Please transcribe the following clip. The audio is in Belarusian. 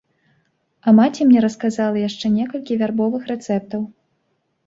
А маці мне расказала яшчэ некалькі вярбовых рэцэптаў.